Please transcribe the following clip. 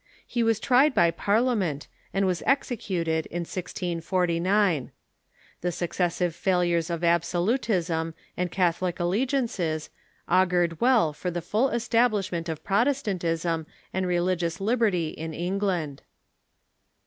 He was tried by Parliament, and was executed in 1649. The successive failures of Absolutism and Catholic alliances augured well for the full establishment of Protestantism and religious liberty in England.